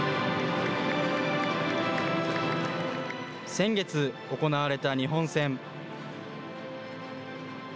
先月行われた日本戦。